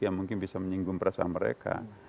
yang mungkin bisa menyinggung perasaan mereka